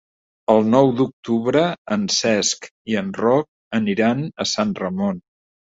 El nou d'octubre en Cesc i en Roc aniran a Sant Ramon.